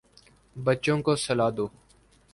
بچوں کو سلا دو